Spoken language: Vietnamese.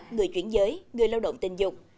người chuyển giới người lao động tình dục